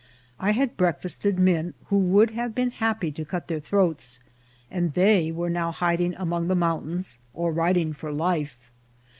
I had breakfasted men who would have been happy to cut their throats, and they were now hiding among the mountains or riding for life.